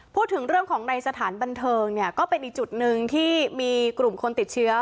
พูดถึงเรื่องของในสถานบันเทิงเนี่ยก็เป็นอีกจุดหนึ่งที่มีกลุ่มคนติดเชื้อ